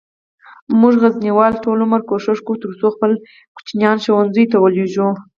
مونږه غزنیوال ټول عمر کوښښ کووه ترڅوخپل ماشومان ښوونځیوته ولیږو